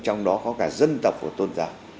trong đó có cả dân tộc của tôn giáo